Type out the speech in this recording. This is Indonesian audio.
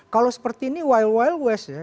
kalau seperti ini wild wild waste ya